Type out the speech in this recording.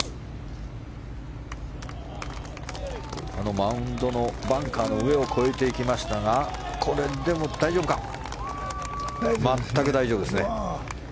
マウンドのバンカーの上を越えていきましたが全く大丈夫ですね。